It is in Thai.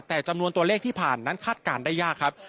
แต่จำนวนตัวเลขที่ผ่านนั้นคาดการณ์ได้ยากครับ